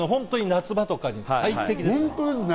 夏場とか最適です。